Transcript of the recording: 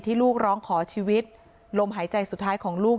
ลูกร้องขอชีวิตลมหายใจสุดท้ายของลูก